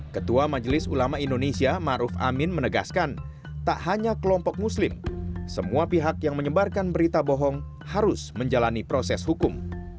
ketua majelis ulama indonesia maruf amin menegaskan tak hanya kelompok muslim semua pihak yang menyebarkan berita bohong harus menjalani proses hukum